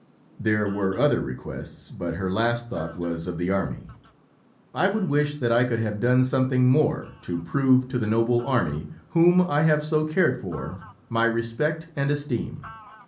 There were other requests, but her last thought was of the Army: "I would wish that I could have done something more to prove to the noble Army, whom I have so cared for, my respect and esteem.